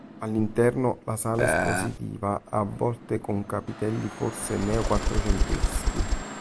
All'interno la sala espositiva ha volte con capitelli forse neo-quattrocenteschi.